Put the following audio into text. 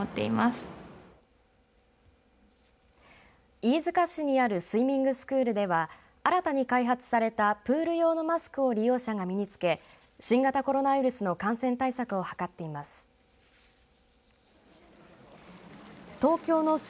飯塚市にあるスイミングスクールでは新たに開発されたプール用のマスクを利用者が身につけ新型コロナウイルスの感染対策を図っています。